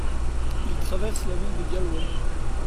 Il traverse la ville de Galway.